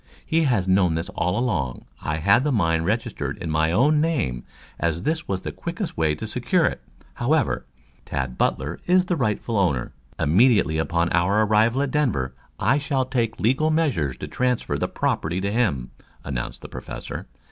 He has known this all along. I had the mine registered in my own name as this was the quickest way to secure it. However, Tad Butler is the rightful owner. Immediately upon our arrival at Denver, I shall take legal measures to transfer the property to him," announced the Professor.